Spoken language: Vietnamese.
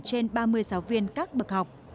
trên ba mươi giáo viên các bậc học